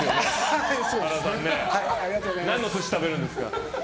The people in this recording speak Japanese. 何のお寿司食べるんですか？